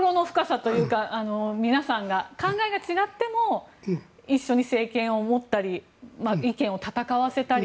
皆さんが考えが違っても一緒に政権を持ったり意見を戦わせたり。